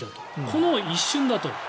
この一瞬だと。